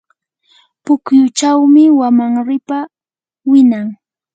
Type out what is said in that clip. pukyuchawmi wamanripa winan.